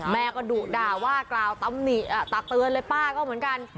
แม่ก็ดุด่าว่ากล่าวตำหนิตักเตือนเลยป้าก็เหมือนกัน